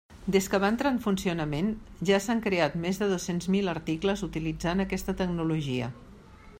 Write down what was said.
Des que va entrar en funcionament, ja s'han creat més de dos-cents mil articles utilitzant aquesta tecnologia.